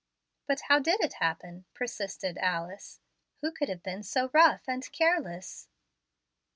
"But how did it happen?" persisted Alice. "Who could have been so rough and careless?"